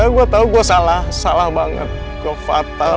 gua tau gua salah salah banget gua fatal